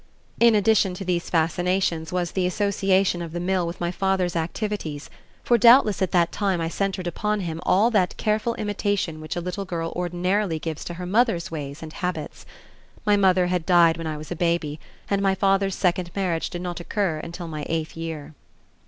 In addition to these fascinations was the association of the mill with my father's activities, for doubtless at that time I centered upon him all that careful imitation which a little girl ordinarily gives to her mother's ways and habits. My mother had died when I was a baby and my father's second marriage did not occur until my eighth year.